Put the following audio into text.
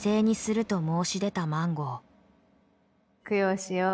供養しよう